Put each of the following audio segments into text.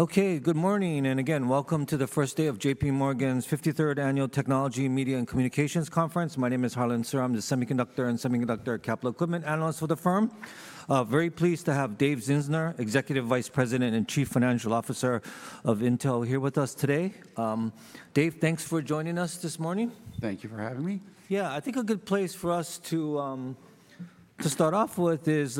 Okay, good morning, and again, welcome to the first day of JPMorgan's 53rd Annual Technology, Media, and Communications Conference. My name is Harlan Sur. I'm the Semiconductor and Semiconductor Capital Equipment Analyst for the firm. Very pleased to have Dave Zinsner, Executive Vice President and Chief Financial Officer of Intel, here with us today. Dave, thanks for joining us this morning. Thank you for having me. Yeah, I think a good place for us to start off with is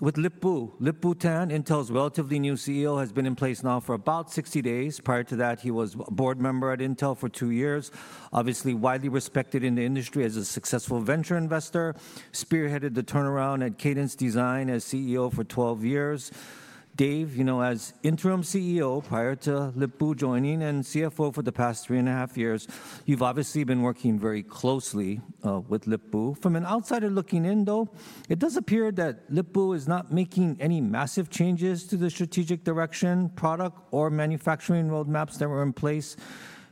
with Lip-Bu, Lip-Bu Tan. Intel's relatively new CEO has been in place now for about 60 days. Prior to that, he was a board member at Intel for two years, obviously widely respected in the industry as a successful venture investor, spearheaded the turnaround at Cadence Design as CEO for 12 years. Dave, you know, as interim CEO prior to Lip-Bu joining and CFO for the past three and a half years, you've obviously been working very closely with Lip-Bu. From an outsider looking in, though, it does appear that Lip-Bu is not making any massive changes to the strategic direction, product, or manufacturing roadmaps that were in place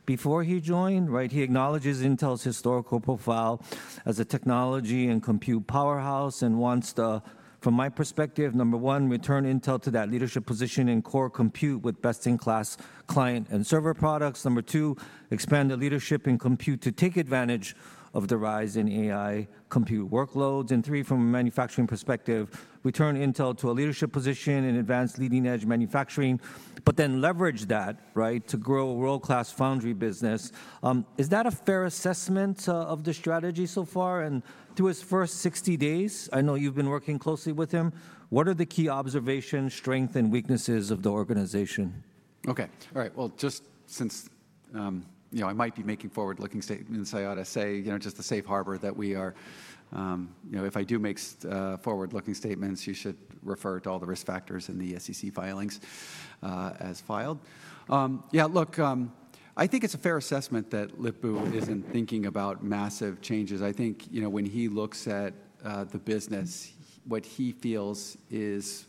before he joined. Right? He acknowledges Intel's historical profile as a technology and compute powerhouse and wants to, from my perspective, number one, return Intel to that leadership position in core compute with best-in-class client and server products. Number two, expand the leadership in compute to take advantage of the rise in AI compute workloads. Three, from a manufacturing perspective, return Intel to a leadership position in advanced leading-edge manufacturing, but then leverage that, right, to grow a world-class foundry business. Is that a fair assessment of the strategy so far? Through his first 60 days, I know you've been working closely with him. What are the key observations, strengths, and weaknesses of the organization? Okay. All right. Just since, you know, I might be making forward-looking statements, I ought to say, you know, just a safe harbor that we are, you know, if I do make forward-looking statements, you should refer to all the risk factors in the SEC filings as filed. Yeah, look, I think it's a fair assessment that Lip-Bu isn't thinking about massive changes. I think, you know, when he looks at the business, what he feels is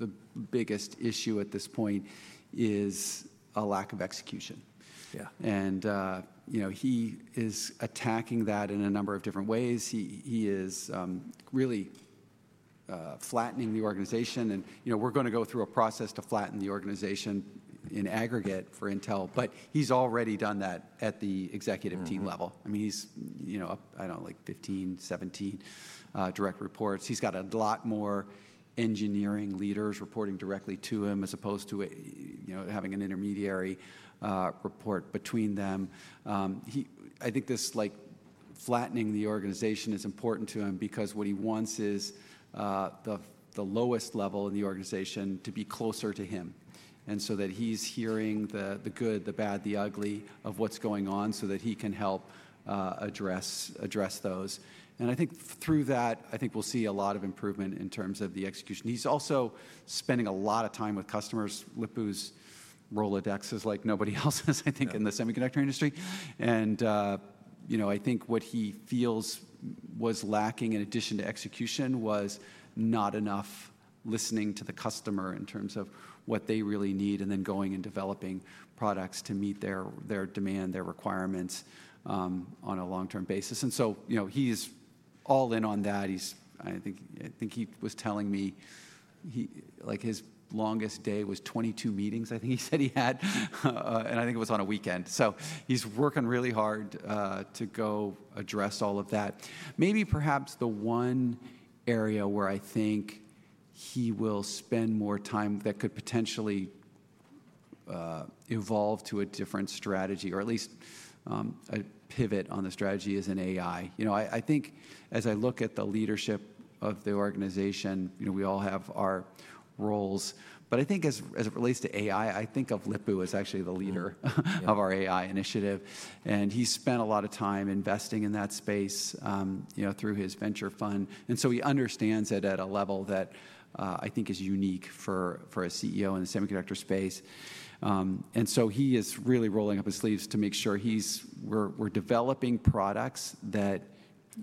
the biggest issue at this point is a lack of execution. Yeah. You know, he is attacking that in a number of different ways. He is really flattening the organization. You know, we're going to go through a process to flatten the organization in aggregate for Intel, but he's already done that at the executive team level. I mean, he's, you know, I don't know, like 15, 17 direct reports. He's got a lot more engineering leaders reporting directly to him as opposed to, you know, having an intermediary report between them. I think this, like, flattening the organization is important to him because what he wants is the lowest level in the organization to be closer to him and so that he's hearing the good, the bad, the ugly of what's going on so that he can help address those. I think through that, I think we'll see a lot of improvement in terms of the execution. He's also spending a lot of time with customers. Lip-Bu's Rolodex is like nobody else's, I think, in the semiconductor industry. You know, I think what he feels was lacking in addition to execution was not enough listening to the customer in terms of what they really need and then going and developing products to meet their demand, their requirements on a long-term basis. He is all in on that. I think he was telling me he, like, his longest day was 22 meetings, I think he said he had. I think it was on a weekend. He is working really hard to go address all of that. Maybe perhaps the one area where I think he will spend more time that could potentially evolve to a different strategy or at least a pivot on the strategy is in AI. You know, I think as I look at the leadership of the organization, you know, we all have our roles, but I think as it relates to AI, I think of Lip-Bu as actually the leader of our AI initiative. And he spent a lot of time investing in that space, you know, through his venture fund. And so he understands it at a level that I think is unique for a CEO in the semiconductor space. And so he is really rolling up his sleeves to make sure we're developing products that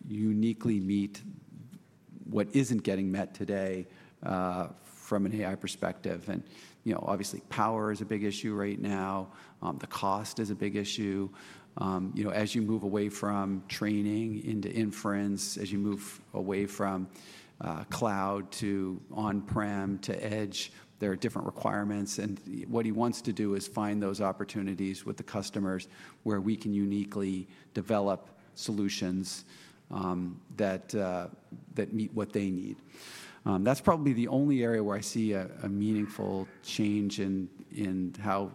uniquely meet what isn't getting met today from an AI perspective. And, you know, obviously power is a big issue right now. The cost is a big issue. You know, as you move away from training into inference, as you move away from cloud to on-prem to edge, there are different requirements. What he wants to do is find those opportunities with the customers where we can uniquely develop solutions that meet what they need. That's probably the only area where I see a meaningful change in how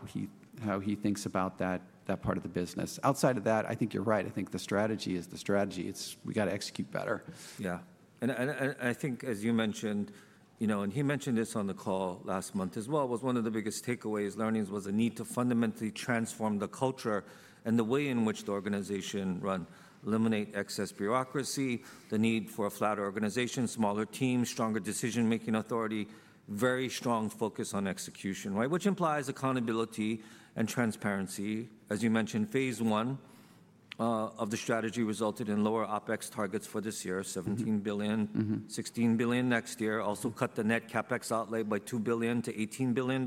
he thinks about that part of the business. Outside of that, I think you're right. I think the strategy is the strategy. It's we got to execute better. Yeah. I think, as you mentioned, you know, and he mentioned this on the call last month as well, one of the biggest takeaways, learnings, was a need to fundamentally transform the culture and the way in which the organization runs, eliminate excess bureaucracy, the need for a flatter organization, smaller teams, stronger decision-making authority, very strong focus on execution, right? Which implies accountability and transparency. As you mentioned, phase one of the strategy resulted in lower OpEx targets for this year, $17 billion, $16 billion next year. Also cut the net CapEx outlay by $2 billion-$18 billion.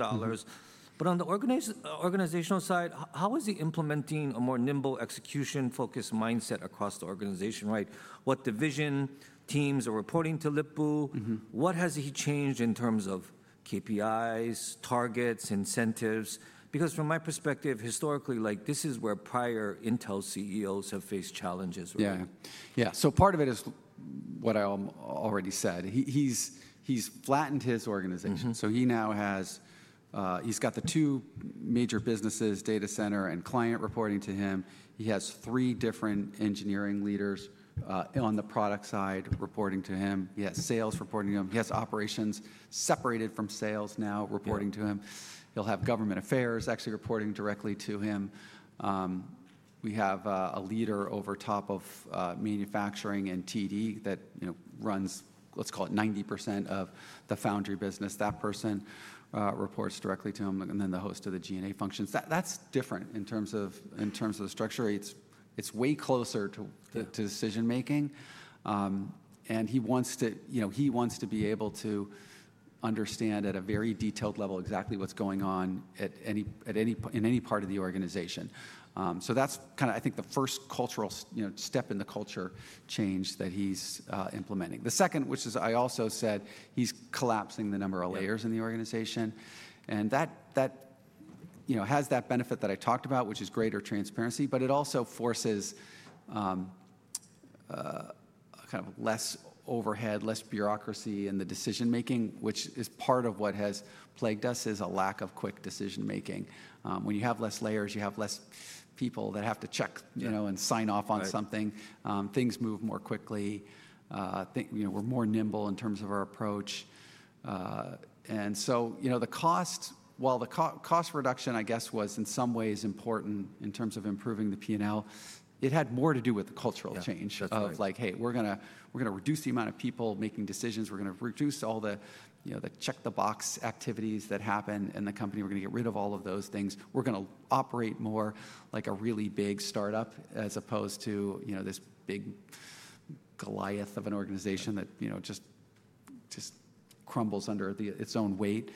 On the organizational side, how is he implementing a more nimble execution-focused mindset across the organization, right? What division teams are reporting to Lip-Bu? What has he changed in terms of KPIs, targets, incentives? Because from my perspective, historically, like, this is where prior Intel CEOs have faced challenges, right? Yeah. Yeah. Part of it is what I already said. He's flattened his organization. He now has the two major businesses, data center and client, reporting to him. He has three different engineering leaders on the product side reporting to him. He has sales reporting to him. He has operations separated from sales now reporting to him. He'll have government affairs actually reporting directly to him. We have a leader over top of manufacturing and TD that, you know, runs, let's call it 90% of the foundry business. That person reports directly to him and then the host of the G&A functions. That's different in terms of the structure. It's way closer to decision-making. He wants to, you know, he wants to be able to understand at a very detailed level exactly what's going on in any part of the organization. That's kind of, I think, the first cultural step in the culture change that he's implementing. The second, which I also said, he's collapsing the number of layers in the organization. That, you know, has that benefit that I talked about, which is greater transparency, but it also forces kind of less overhead, less bureaucracy in the decision-making, which is part of what has plagued us is a lack of quick decision-making. When you have less layers, you have less people that have to check, you know, and sign off on something. Things move more quickly. You know, we're more nimble in terms of our approach. You know, the cost, while the cost reduction, I guess, was in some ways important in terms of improving the P&L, it had more to do with the cultural change of like, hey, we're going to reduce the amount of people making decisions. We're going to reduce all the, you know, the check-the-box activities that happen in the company. We're going to get rid of all of those things. We're going to operate more like a really big startup as opposed to, you know, this big Goliath of an organization that, you know, just crumbles under its own weight.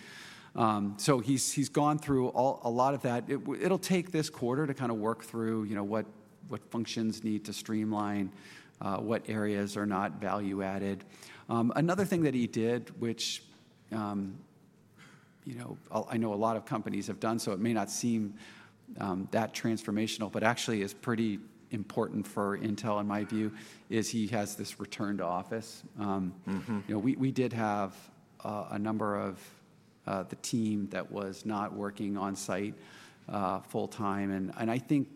He has gone through a lot of that. It'll take this quarter to kind of work through, you know, what functions need to streamline, what areas are not value-added. Another thing that he did, which, you know, I know a lot of companies have done, so it may not seem that transformational, but actually is pretty important for Intel, in my view, is he has this return to office. You know, we did have a number of the team that was not working on site full-time. I think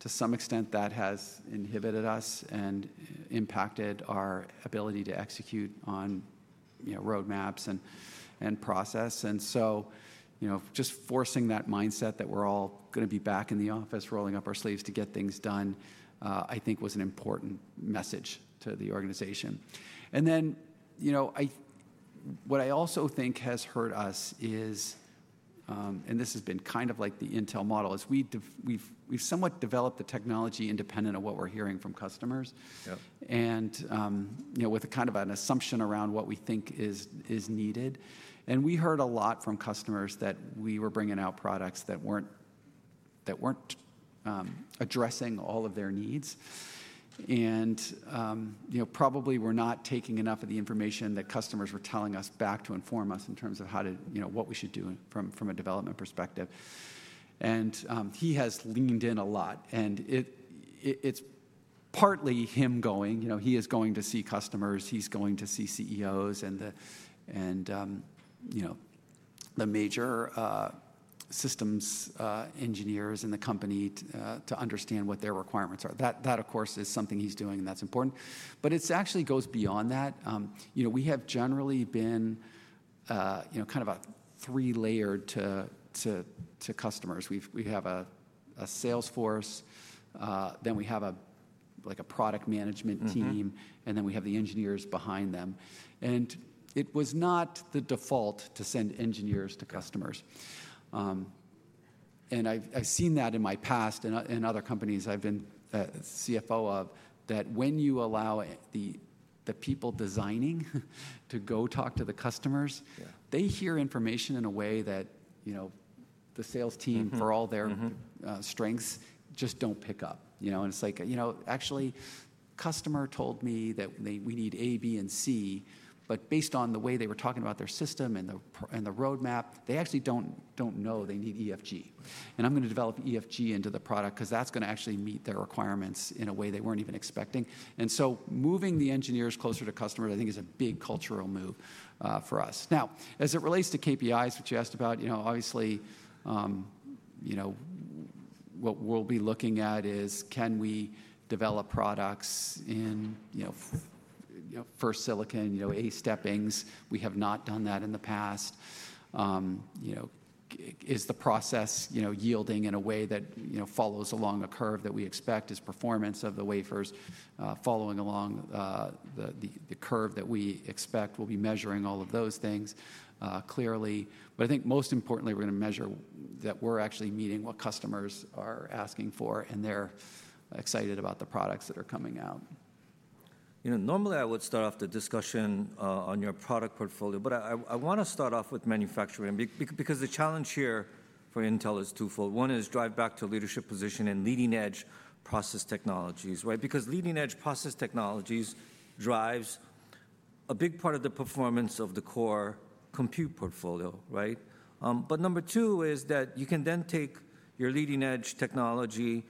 to some extent that has inhibited us and impacted our ability to execute on, you know, roadmaps and process. You know, just forcing that mindset that we're all going to be back in the office rolling up our sleeves to get things done, I think was an important message to the organization. What I also think has hurt us is, and this has been kind of like the Intel model, is we've somewhat developed the technology independent of what we're hearing from customers. You know, with kind of an assumption around what we think is needed. We heard a lot from customers that we were bringing out products that were not addressing all of their needs. You know, probably we were not taking enough of the information that customers were telling us back to inform us in terms of how to, you know, what we should do from a development perspective. He has leaned in a lot. It is partly him going, you know, he is going to see customers, he is going to see CCEOs and, you know, the major systems engineers in the company to understand what their requirements are. That, of course, is something he is doing and that is important. It actually goes beyond that. You know, we have generally been, you know, kind of a three-layered to customers. We have a sales force, then we have a, like, a product management team, and then we have the engineers behind them. It was not the default to send engineers to customers. I've seen that in my past and other companies I've been CFO of, that when you allow the people designing to go talk to the customers, they hear information in a way that, you know, the sales team, for all their strengths, just don't pick up. You know, and it's like, you know, actually customer told me that we need A, B, and C, but based on the way they were talking about their system and the roadmap, they actually don't know they need EEFG. I'm going to develop EFG into the product because that's going to actually meet their requirements in a way they weren't even expecting. Moving the engineers closer to customers, I think, is a big cultural move for us. Now, as it relates to KPIs, which you asked about, you know, obviously, you know, what we'll be looking at is can we develop products in, you know, first silicon, you know, A-steppings. We have not done that in the past. You know, is the process, you know, yielding in a way that, you know, follows along a curve that we expect. Is performance of the wafers following along the curve that we expect. We'll be measuring all of those things clearly. I think most importantly, we're going to measure that we're actually meeting what customers are asking for and they're excited about the products that are coming out. You know, normally I would start off the discussion on your product portfolio, but I want to start off with manufacturing because the challenge here for Intel is twofold. One is drive back to leadership position in leading-edge process technologies, right? Because leading-edge process technologies drive a big part of the performance of the core compute portfolio, right? Number two is that you can then take your leading-edge technology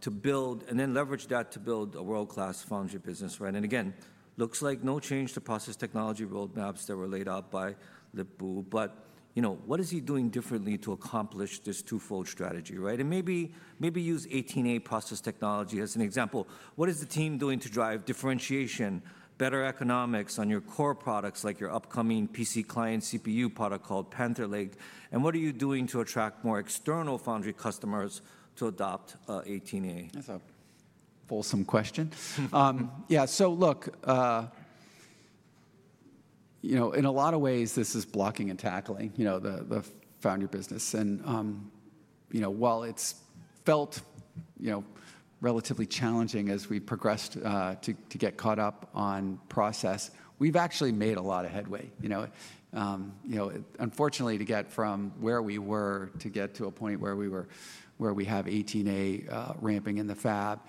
to build and then leverage that to build a world-class foundry business, right? Again, looks like no change to process technology roadmaps that were laid out by Lip-Bu. But, you know, what is he doing differently to accomplish this twofold strategy, right? Maybe use 18A process technology as an example. What is the team doing to drive differentiation, better economics on your core products like your upcoming PC client CPU product called Panther Lake? What are you doing to attract more external foundry customers to adopt 18A? That's a wholesome question. Yeah. Look, you know, in a lot of ways, this is blocking and tackling, you know, the foundry business. And, you know, while it's felt, you know, relatively challenging as we progressed to get caught up on process, we've actually made a lot of headway. You know, unfortunately, to get from where we were to get to a point where we have 18A ramping in the fab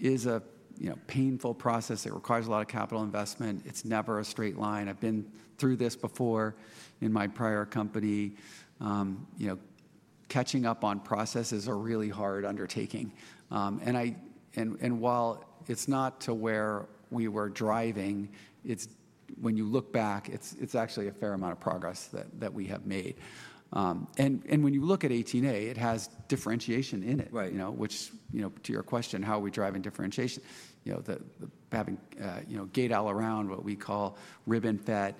is a, you know, painful process. It requires a lot of capital investment. It's never a straight line. I've been through this before in my prior company. You know, catching up on process is a really hard undertaking. While it's not to where we were driving, when you look back, it's actually a fair amount of progress that we have made. When you look at 18A, it has differentiation in it, you know, which, you know, to your question, how are we driving differentiation? You know, having, you know, Gate All-Around, what we call RibbonFET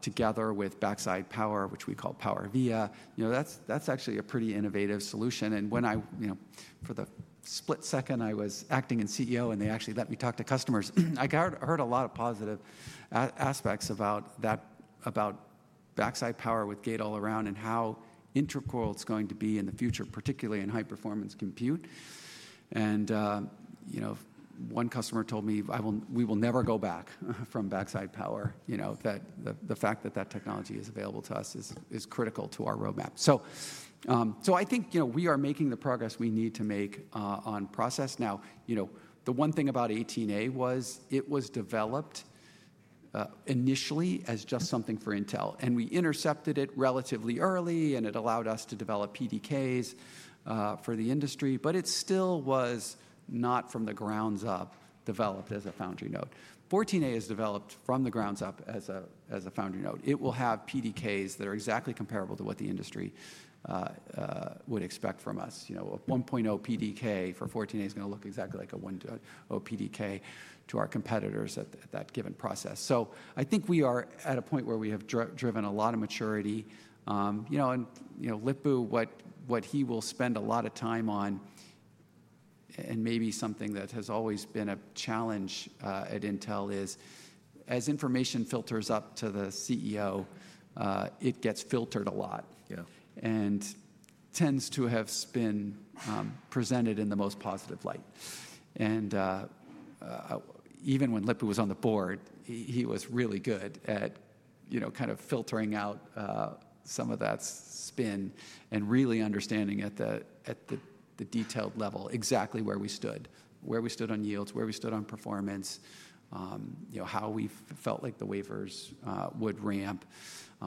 together with backside power, which we call PowerVia. You know, that's actually a pretty innovative solution. When I, you know, for the split second, I was acting in CEO and they actually let me talk to customers, I heard a lot of positive aspects about that, about backside power with Gate All-Around and how integral it's going to be in the future, particularly in high-performance compute. You know, one customer told me, "We will never go back from backside power." You know, the fact that that technology is available to us is critical to our roadmap. I think, you know, we are making the progress we need to make on process. Now, you know, the one thing about 18A was it was developed initially as just something for Intel. And we intercepted it relatively early and it allowed us to develop PDKs for the industry. But it still was not from the grounds up developed as a foundry node. 14A is developed from the grounds up as a foundry node. It will have PDKs that are exactly comparable to what the industry would expect from us. You know, a 1.0 PDK for 14A is going to look exactly like a 1.0 PDK to our competitors at that given process. I think we are at a point where we have driven a lot of maturity. You know, and, you know, Lip-Bu, what he will spend a lot of time on and maybe something that has always been a challenge at Intel is as information filters up to the CEO, it gets filtered a lot. Yeah. And tends to have been presented in the most positive light. Even when Lip-Bu was on the board, he was really good at, you know, kind of filtering out some of that spin and really understanding at the detailed level exactly where we stood, where we stood on yields, where we stood on performance, you know, how we felt like the wafers would ramp,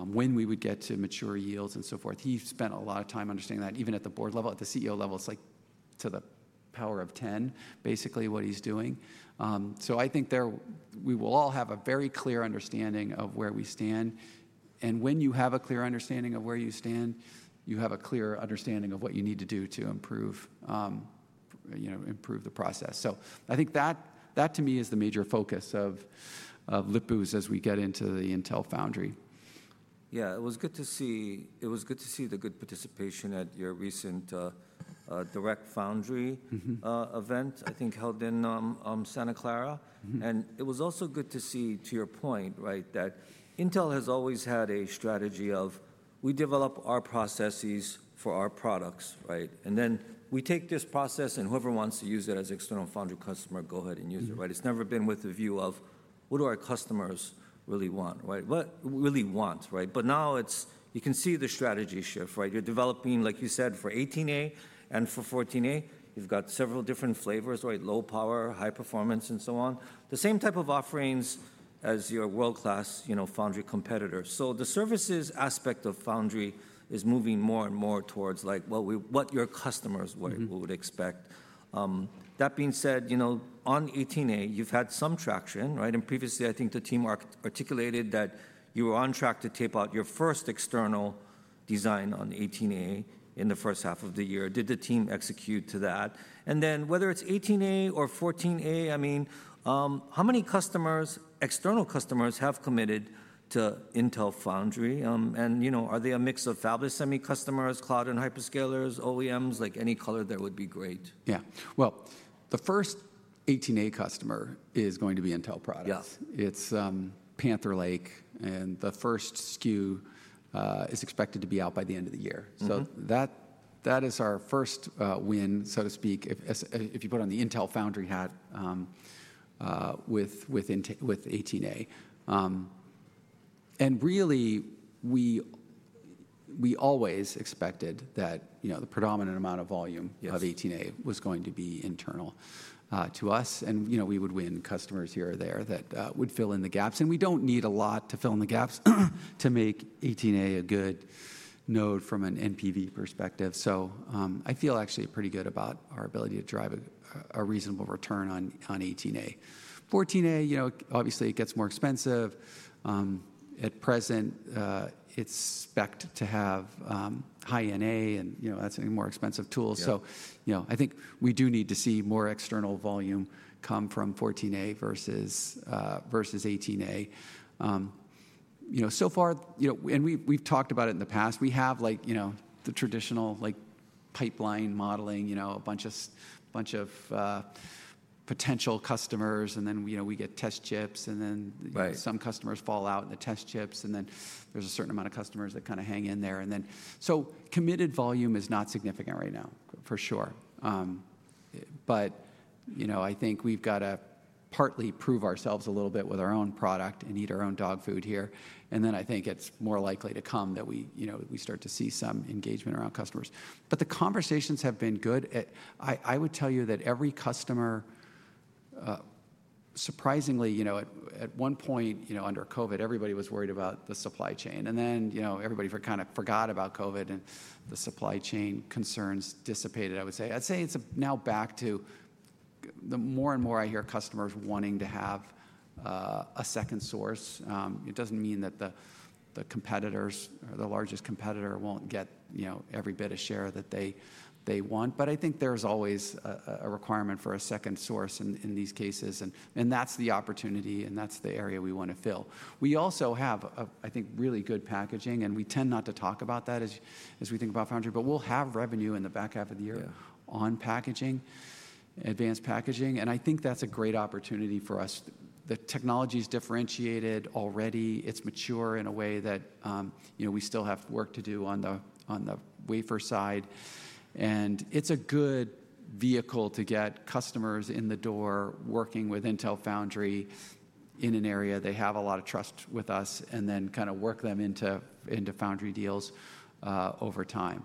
when we would get to mature yields and so forth. He spent a lot of time understanding that even at the board level, at the CEO level, it's like to the power of 10, basically what he's doing. I think there we will all have a very clear understanding of where we stand. And when you have a clear understanding of where you stand, you have a clear understanding of what you need to do to improve, you know, improve the process. I think that, to me, is the major focus of Lip-Bu's as we get into the Intel Foundry. Yeah. It was good to see, it was good to see the good participation at your recent direct foundry event, I think held in Santa Clara. It was also good to see, to your point, right, that Intel has always had a strategy of we develop our processes for our products, right? Then we take this process and whoever wants to use it as an external foundry customer, go ahead and use it, right? It's never been with the view of what do our customers really want, right? What really want, right? Now it's, you can see the strategy shift, right? You're developing, like you said, for 18A and for 14A. You've got several different flavors, right? Low power, high performance, and so on. The same type of offerings as your world-class, you know, foundry competitors. The services aspect of foundry is moving more and more towards like, well, what your customers would expect. That being said, you know, on 18A, you've had some traction, right? And previously, I think the team articulated that you were on track to tape out your first external design on 18A in the first half of the year. Did the team execute to that? And then whether it's 18A or 14A, I mean, how many customers, external customers, have committed to Intel Foundry? And, you know, are they a mix of fabless semi-customers, cloud and hyperscalers, OEMs? Like any color there would be great. Yeah. The first 18A customer is going to be Intel products. It's Panther Lake, and the first SKU is expected to be out by the end of the year. That is our first win, so to speak, if you put on the Intel Foundry hat with 18A. And Really, we always expected that, you know, the predominant amount of volume of 18A was going to be internal to us. You know, we would win customers here or there that would fill in the gaps. We do not need a lot to fill in the gaps to make 18A a good node from an NPV perspective. I feel actually pretty good about our ability to drive a reasonable return on 18A. 14A, you know, obviously it gets more expensive. At present, it's expected to have high NA and, you know, that's a more expensive tool. You know, I think we do need to see more external volume come from 14A versus 18A. You know, so far, you know, and we've talked about it in the past. We have, like, you know, the traditional, like, pipeline modeling, a bunch of potential customers, and then, you know, we get test chips, and then some customers fall out in the test chips, and then there's a certain amount of customers that kind of hang in there. Committed volume is not significant right now, for sure. You know, I think we've got to partly prove ourselves a little bit with our own product and eat our own dog food here. I think it's more likely to come that we, you know, we start to see some engagement around customers. The conversations have been good. I would tell you that every customer, surprisingly, you know, at one point, you know, under COVID, everybody was worried about the supply chain. You know, everybody kind of forgot about COVID and the supply chain concerns dissipated, I would say. I'd say it's now back to the more and more I hear customers wanting to have a second source. It doesn't mean that the competitors, or the largest competitor, won't get, you know, every bit of share that they want. I think there's always a requirement for a second source in these cases. That's the opportunity and that's the area we want to fill. We also have, I think, really good packaging, and we tend not to talk about that as we think about foundry, but we'll have revenue in the back half of the year on packaging, advanced packaging. I think that's a great opportunity for us. The technology's differentiated already. It's mature in a way that, you know, we still have work to do on the wafer side. It's a good vehicle to get customers in the door working with Intel Foundry in an area they have a lot of trust with us and then kind of work them into foundry deals over time.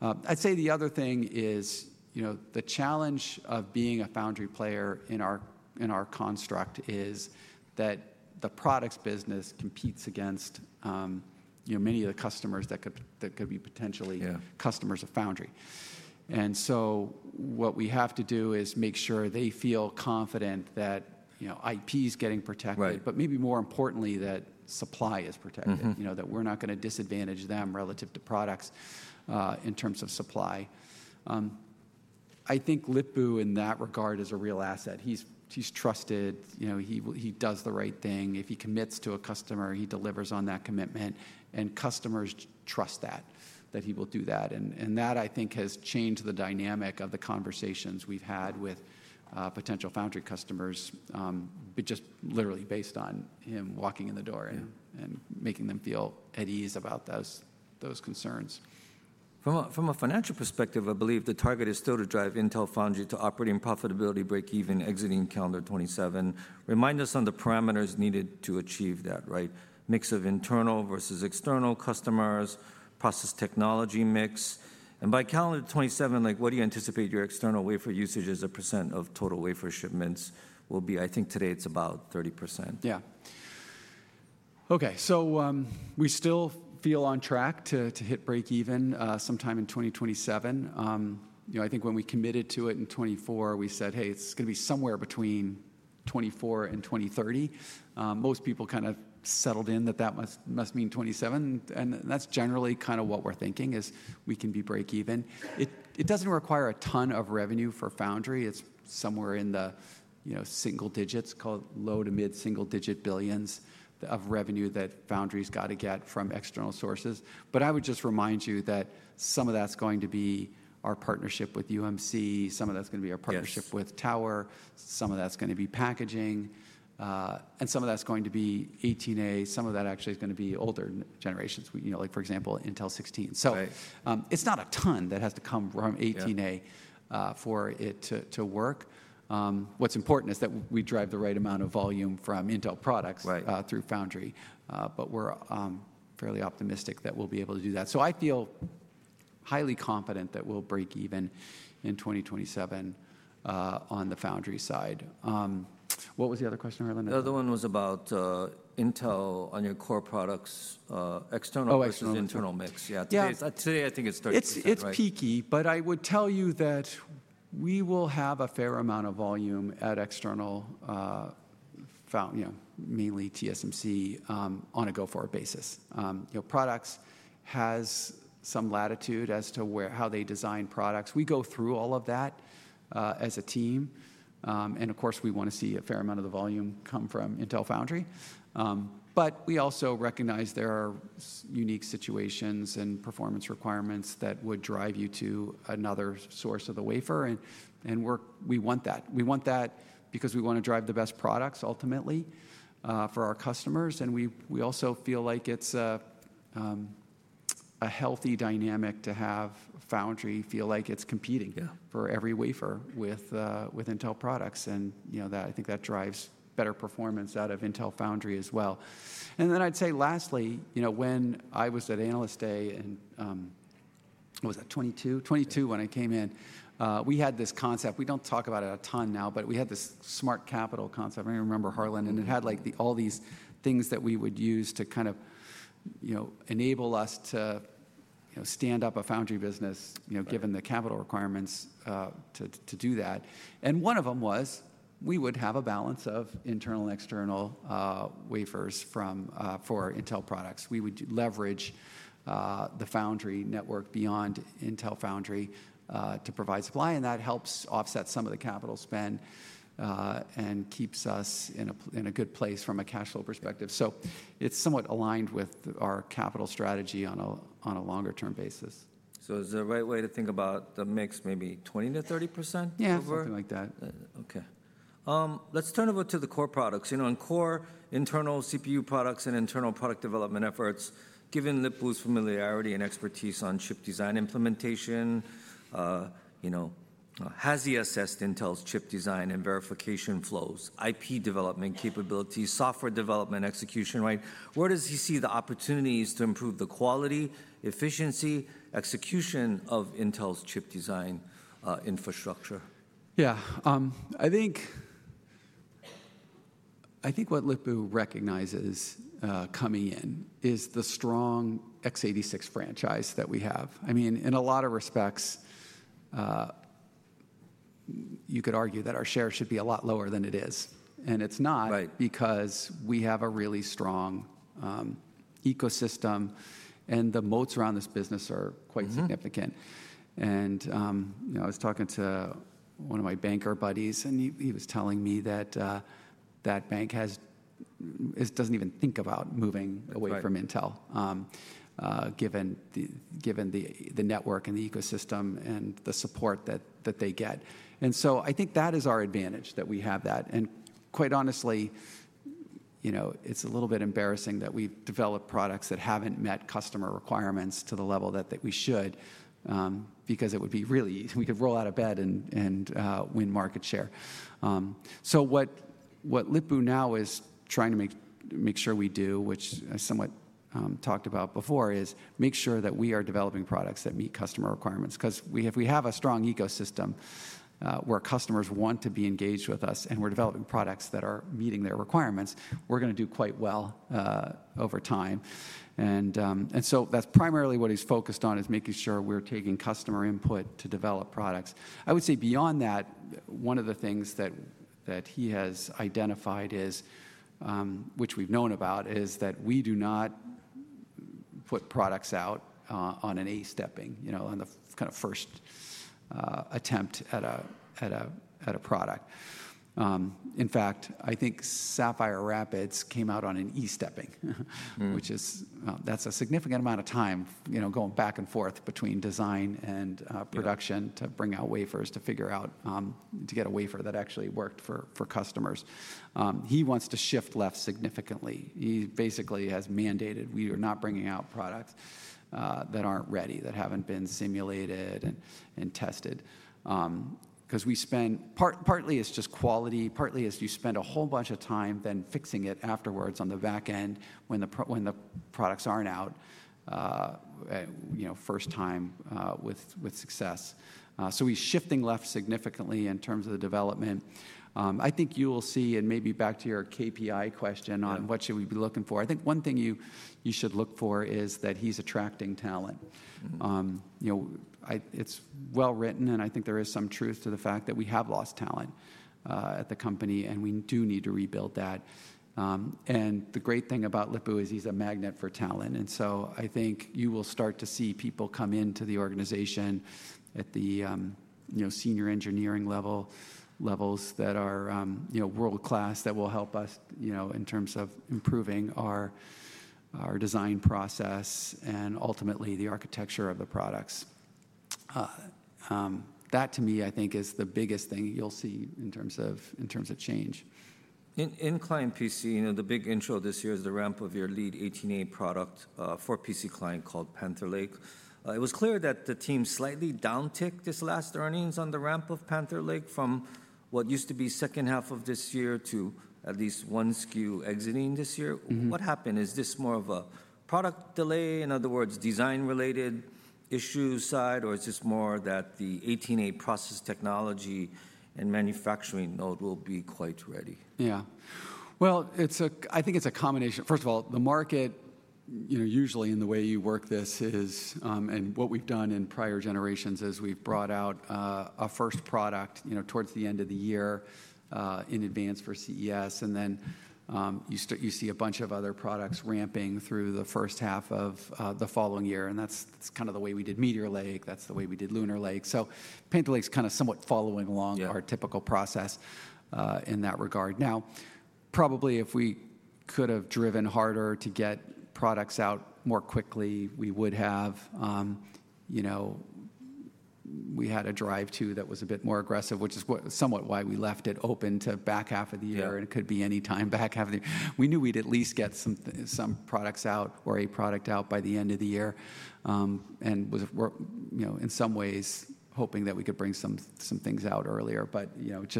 I'd say the other thing is, you know, the challenge of being a foundry player in our construct is that the products business competes against, you know, many of the customers that could be potentially customers of foundry. What we have to do is make sure they feel confident that, you know, IP is getting protected, but maybe more importantly that supply is protected, you know, that we're not going to disadvantage them relative to products in terms of supply. I think Lip-Bu in that regard is a real asset. He's trusted, you know, he does the right thing. If he commits to a customer, he delivers on that commitment and customers trust that he will do that and that, I think, has changed the dynamic of the conversations we've had with potential foundry customers, just literally based on him walking in the door and making them feel at ease about those concerns. From a financial perspective, I believe the target is still to drive Intel Foundry to operating profitability breakeven exiting calendar 2027. Remind us on the parameters needed to achieve that, right? Mix of internal versus external customers, process technology mix. And by calendar 2027, like, what do you anticipate your external wafer usage as a percent of total wafer shipments will be? I think today it's about 30%. Yeah. Okay. So we still feel on track to hit breakeven sometime in 2027. You know, I think when we committed to it in 2024, we said, "Hey, it's going to be somewhere between 2024 and 2023." Most people kind of settled in that that must mean 2027. And that's generally kind of what we're thinking is we can be breakeven. It doesn't require a ton of revenue for foundry. It's somewhere in the, you know, single digits, called low to mid single digit billions of revenue that foundry's got to get from external sources. I would just remind you that some of that's going to be our partnership with UMC. Some of that's going to be our partnership with TOWER. Some of that's going to be packaging. And some of that's going to be 18A. Some of that actually is going to be older generations, you know, like for example, Intel 16. It is not a ton that has to come from 18A for it to work. What is important is that we drive the right amount of volume from Intel products through foundry. We are fairly optimistic that we will be able to do that. I feel highly confident that we will breakeven in 2027 on the foundry side. What was the other question, Harlan? The other one was about Intel on your core products, external versus internal mix. Yeah. Today, I think it's 30%. It's peaky, but I would tell you that we will have a fair amount of volume at external, you know, mainly TSMC on a go-forward basis. You know, products has some latitude as to how they design products. We go through all of that as a team. Of course, we want to see a fair amount of the volume come from Intel Foundry. We also recognize there are unique situations and performance requirements that would drive you to another source of the wafer. We want that. We want that because we want to drive the best products ultimately for our customers. We also feel like it's a healthy dynamic to have foundry feel like it's competing for every wafer with Intel products. You know, I think that drives better performance out of Intel Foundry as well. I'd say lastly, you know, when I was at Analyst Day and what was that, 2022? 2022 when I came in, we had this concept. We do not talk about it a ton now, but we had this smart capital concept. I remember Harlan, and it had like all these things that we would use to kind of, you know, enable us to, you know, stand up a foundry business, you know, given the capital requirements to do that. One of them was we would have a balance of internal and external wafers for Intel products. We would leverage the foundry network beyond Intel Foundry to provide supply and that helps offset some of the capital spend and keeps us in a good place from a cash flow perspective. It is somewhat aligned with our capital strategy on a longer-term basis. Is there a right way to think about the mix, maybe 20-30%? Yeah, something like that. Okay. Let's turn over to the core products. You know, in core, internal CPU products and internal product development efforts, given Lip-Bu's familiarity and expertise on chip design implementation, you know, has he assessed Intel's chip design and verification flows, IP development capabilities, software development execution, right? Where does he see the opportunities to improve the quality, efficiency, execution of Intel's chip design infrastructure? Yeah. I think what Lip-Bu recognizes coming in is the strong x86 franchise that we have. I mean, in a lot of respects, you could argue that our share should be a lot lower than it is. It's not because we have a really strong ecosystem, and the moats around this business are quite significant. You know, I was talking to one of my banker buddies, and he was telling me that that bank doesn't even think about moving away from Intel, given the network and the ecosystem and the support that they get. I think that is our advantage that we have that. Quite honestly, you know, it's a little bit embarrassing that we've developed products that haven't met customer requirements to the level that we should because it would be really easy. We could roll out of bed and win market share. What Lip-Bu now is trying to make sure we do, which I somewhat talked about before, is make sure that we are developing products that meet customer requirements. Because if we have a strong ecosystem where customers want to be engaged with us and we are developing products that are meeting their requirements, we are going to do quite well over time. That is primarily what he is focused on, making sure we are taking customer input to develop products. I would say beyond that, one of the things that he has identified, which we have known about, is that we do not put products out on an A-stepping, you know, on the kind of first attempt at a product. In fact, I think Sapphire Rapids came out on an E-stepping, which is, that's a significant amount of time, you know, going back and forth between design and production to bring out wafers to figure out, to get a wafer that actually worked for customers. He wants to shift left significantly. He basically has mandated we are not bringing out products that aren't ready, that haven't been simulated and tested. Because we spend, partly it's just quality, partly it's you spend a whole bunch of time then fixing it afterwards on the back end when the products aren't out, you know, first time with success. He is shifting left significantly in terms of the development. I think you will see, and maybe back to your KPI question on what should we be looking for, I think one thing you should look for is that he's attracting talent. You know, it's well written, and I think there is some truth to the fact that we have lost talent at the company, and we do need to rebuild that. The great thing about Lip-Bu is he's a magnet for talent. I think you will start to see people come into the organization at the, you know, senior engineering levels that are, you know, world-class that will help us, you know, in terms of improving our design process and ultimately the architecture of the products. That to me, I think, is the biggest thing you'll see in terms of change. In Client PC, you know, the big intro this year is the ramp of your lead 18A product for PC client called Panther Lake. It was clear that the team slightly downticked its last earnings on the ramp of Panther Lake from what used to be second half of this year to at least one SKU exiting this year. What happened? Is this more of a product delay, in other words, design-related issue side, or is this more that the 18A process technology and manufacturing node will be quite ready? Yeah. I think it's a combination. First of all, the market, you know, usually in the way you work this is, and what we've done in prior generations is we've brought out a first product, you know, towards the end of the year in advance for CES and You see a bunch of other products ramping through the first half of the following year. That's kind of the way we did Meteor Lake, That's the way we did Lunar Lake. SoPanther Lake's kind of somewhat following along our typical process in that regard. Now, probably if we could have driven harder to get products out more quickly, we would have, you know, we had a drive-through that was a bit more aggressive, which is somewhat why we left it open to back half of the year. It could be anytime back half of the year. We knew we'd at least get some products out or a product out by the end of the year. We're, you know, in some ways hoping that we could bring some things out earlier. You know, it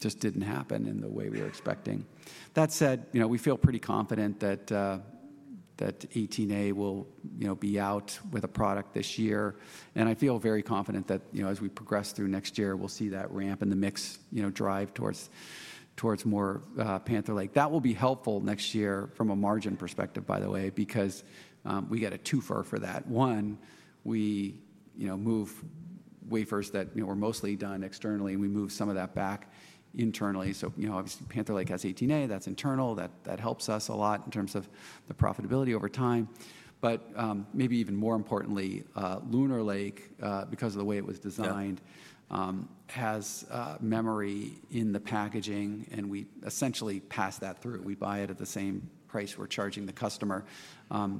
just didn't happen in the way we were expecting. That said, you know, we feel pretty confident that 18A will, you know, be out with a product this year. I feel very confident that, you know, as we progress through next year, we'll see that ramp in the mix, you know, drive towards more Panther Lake. That will be helpful next year from a margin perspective, by the way, because we get a twofer for that. One, we, you know, move wafers that, you know, were mostly done externally. We move some of that back internally. You know, obviously Panther Lake has 18A. That's internal. That helps us a lot in terms of the profitability over time. Maybe even more importantly, Lunar Lake, because of the way it was designed, has memory in the packaging, and we essentially pass that through. We buy it at the same price we're charging the customer.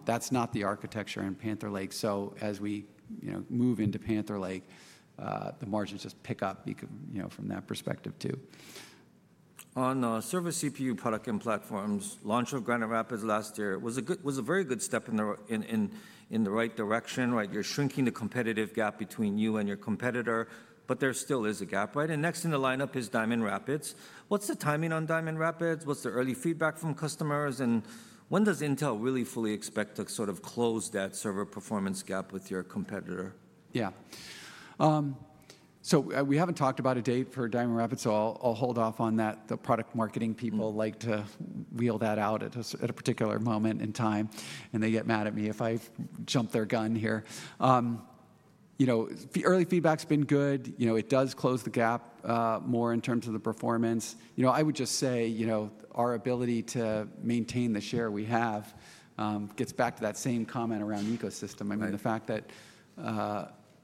That's not the architecture in Panther Lake soAs we, you know, move into Panther Lake, the margins just pick up, you know, from that perspective too. On server CPU product and platforms, launch of Granite Rapids last year was a very good step in the right direction, right? You're shrinking the competitive gap between you and your competitor, but there still is a gap, right? Next in the lineup is Diamond Rapids. What's the timing on Diamond Rapids? What's the early feedback from customers? When does Intel really fully expect to sort of close that server performance gap with your competitor? Yeah. We have not talked about a date for Diamond Rapids, so I'll hold off on that. The product marketing people like to wheel that out at a particular moment in time, and they get mad at me if I jump their gun here. You know, early feedback's been good. You know, it does close the gap more in terms of the performance. I would just say, you know, our ability to maintain the share we have gets back to that same comment around ecosystem. I mean, the fact that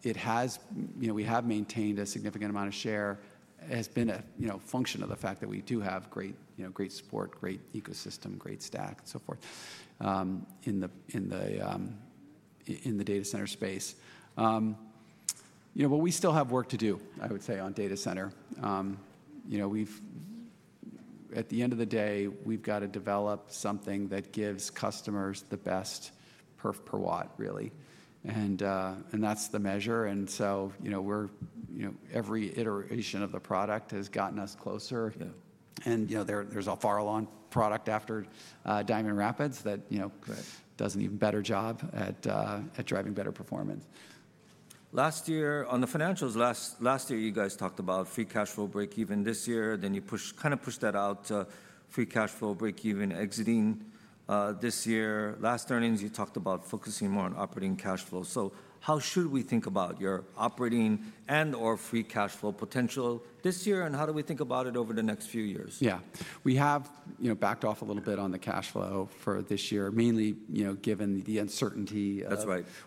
we have maintained a significant amount of share has been a function of the fact that we do have great, you know, great support, great ecosystem, great stack, and so forth in the data center space. You know, we still have work to do, I would say, on data center. You know, at the end of the day, we've got to develop something that gives customers the best perf per watt really and That's the measure until You know, every iteration of the product has gotten us closer. You know, there's a Farallon product after Diamond Rapids that does an even better job at driving better performance. Last year, on the financials, last year you guys talked about free cash flow breakeven this year. Then you kind of pushed that out to free cash flow breakeven exiting this year. Last earnings, you talked about focusing more on operating cash flow. How should we think about your operating and/or free cash flow potential this year? How do we think about it over the next few years? Yeah. We have, you know, backed off a little bit on the cash flow for this year, mainly, you know, given the uncertainty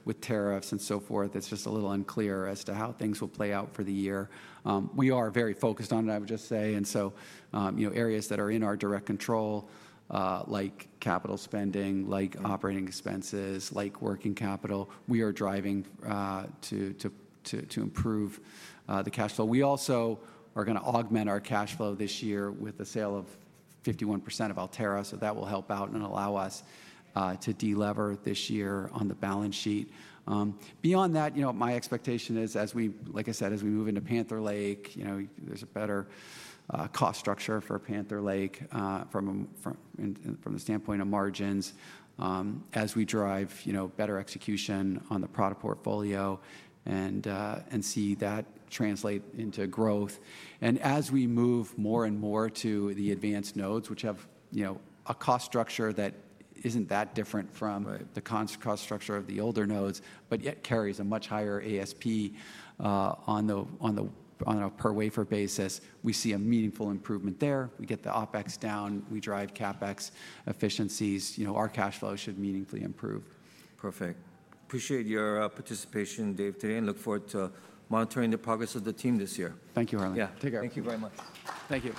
with tariffs and so forth. It's just a little unclear as to how things will play out for the year. We are very focused on it, I would just say. You know, areas that are in our direct control, like capital spending, like operating expenses, like working capital, we are driving to improve the cash flow. We also are going to augment our cash flow this year with the sale of 51% of Altera. That will help out and allow us to delever this year on the balance sheet. Beyond that, you know, my expectation is, as we, like I said, as we move into Panther Lake, you know, there's a better cost structure for Panther Lake from the standpoint of margins as we drive, you know, better execution on the product portfolio and see that translate into growth. As we move more and more to the advanced nodes, which have, you know, a cost structure that isn't that different from the cost structure of the older nodes, but yet carries a much higher ASP on a per wafer basis, we see a meaningful improvement there. We get the OpEx down. We drive CapEx efficiencies. You know, our cash flow should meaningfully improve. Perfect. Appreciate your participation, Dave, today, and look forward to monitoring the progress of the team this year. Thank you, Harlan. Yeah. Take care. Thank you very much. Thank you.